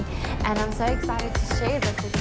ผมรู้สึกที่คุณทุกคนจะกำลังการประกาศ